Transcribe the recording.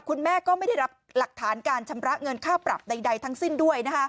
คุณแม่ก็ไม่ได้รับหลักฐานการชำระเงินค่าปรับใดทั้งสิ้นด้วย